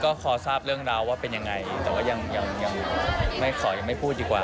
ก็ขอทราบเรื่องราวว่าเป็นอย่างไรแต่ทราบเรื่องราวยังไม่พูดดีกว่า